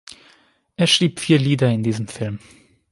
Er schrieb vier Lieder in diesem Film.